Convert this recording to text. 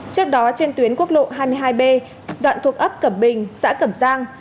trước đó trên tuyến quốc lộ hai mươi hai b đoạn thuộc ấp cẩm bình xã cẩm giang